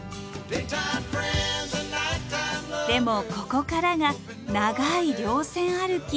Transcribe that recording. でもここからが長い稜線歩き。